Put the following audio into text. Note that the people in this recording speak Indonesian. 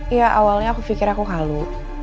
ya awalnya aku pikir aku kalu